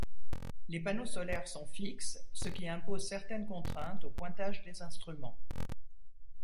Les panneaux solaires sont fixes ce qui impose certaines contraintes au pointage des instruments.